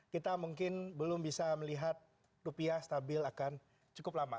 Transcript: kita mungkin belum bisa melihat rupiah stabil akan cukup lama